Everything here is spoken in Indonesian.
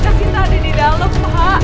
kasinta ada di dalam pak